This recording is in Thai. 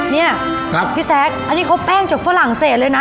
เนี่ยพี่แซคอันนี้เขาแป้งจากฝรั่งเศสเลยนะ